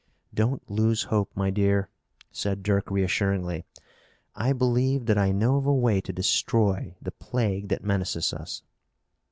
"Don't lose hope, my dear," said Dirk reassuringly. "I believe that I know of a way to destroy the plague that menaces us."